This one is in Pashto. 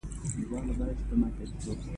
عبدالله وويل چې په دې دوکانو کښې شراب خرڅېږي.